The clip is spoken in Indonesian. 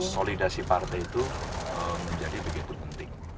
solidasi partai itu menjadi begitu penting